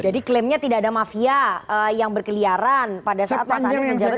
jadi klaimnya tidak ada mafia yang berkeliaran pada saat mas anies menjabat sebagai gubernur dki